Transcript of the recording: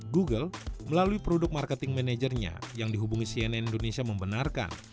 google melalui produk marketing managernya yang dihubungi cnn indonesia membenarkan